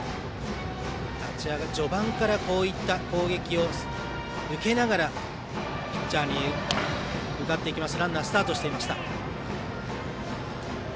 序盤からこういった攻撃を受けながらピッチャーに向かっていきます。